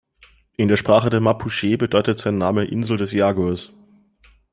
In der Sprache der Mapuche bedeutet sein Name „Insel des Jaguars“.